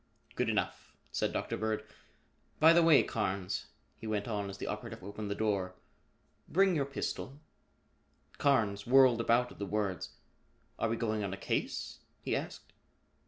"Good enough," said Dr. Bird. "By the way, Carnes," he went on as the operative opened the door, "bring your pistol." Carnes whirled about at the words. "Are we going on a case?" he asked.